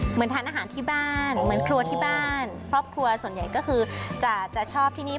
เหมือนทานอาหารที่บ้านเหมือนครัวที่บ้านครอบครัวส่วนใหญ่ก็คือจะชอบที่นี่